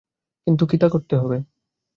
কিন্তু করতে হবে।